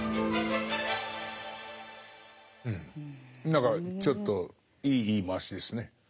何かちょっといい言い回しですね。